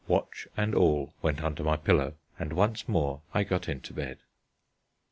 Watch and all went under my pillow, and once more I got into bed.